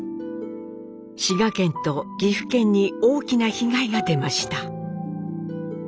滋賀県と岐阜県に大きな被害が出ました。